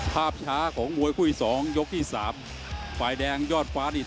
แข้งซ้ายติดงบยกที่๓